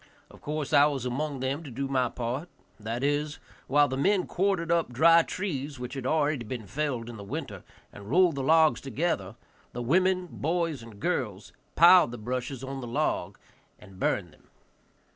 Of course I was among them to do my part; that is, while the men quartered up dry trees, which had been already felled in the winter, and rolled the logs together, the women, boys and girls piled the brushes on the logs and burned them.